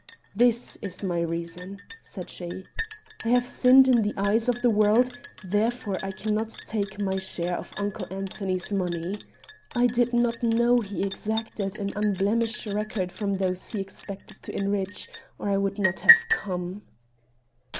"This is my reason," said she. "I have sinned in the eyes of the world, therefore I can not take my share of Uncle Anthony's money. I did not know he exacted an unblemished record from those he expected to enrich, or I would not have come."